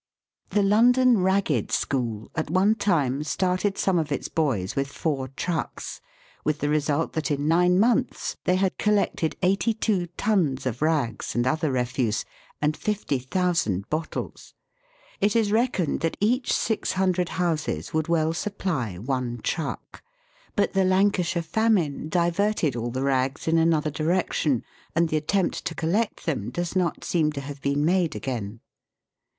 The London Ragged School at one time started some of its boys with four trucks, with the result that in nine months they had collected eighty two tons of rags and other refuse, and 50,000 bottles. It is reckoned that each 600 houses would well supply one truck ; but the Lancashire famine diverted all the rags in another direction, and the attempt to collect them does not seem to have been made again.